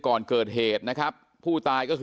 เป็นมีดปลายแหลมยาวประมาณ๑ฟุตนะฮะที่ใช้ก่อเหตุ